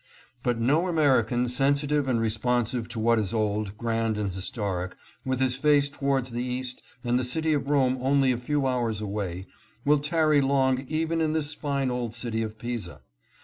But no American sensitive and responsive to what is old, grand and historic, with his face towards the East and the city of Rome only a few hours away, will tarry long even in this fine old city of Pisa.